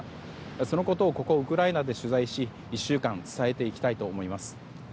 そのことをここウクライナで取材し１週間伝えていきたいと思います。